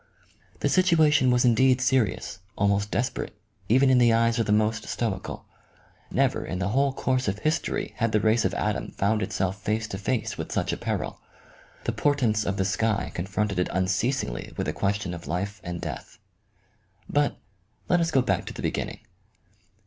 The situation was indeed serious, almost desperate, even in the eyes of the most stoical. Never, in the whole course of history had the race of Adam found itself face to face with such a peril. The portents of the sky con fronted it unceasingly with a question of life and death. But, let us go back to the beginning.